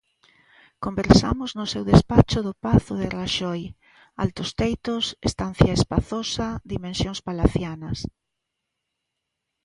Conversamos no seu despacho do Pazo de Raxoi, altos teitos, estancia espazosa, dimensións palacianas.